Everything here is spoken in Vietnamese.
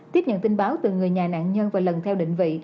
tiếp nhận tin báo từ người nhà nạn nhân và lần theo định vị